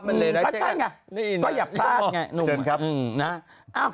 ตั้งฉันกัน